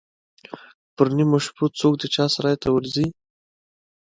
پر نیمو شپو څوک د چا سرای ته ورځي.